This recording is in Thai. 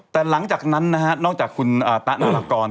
แต่หลังจากนั้นนะฮะนอกจากคุณตะโนรากร